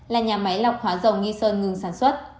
là nhà máy lọc hóa dầu nghi sơn ngừng sản xuất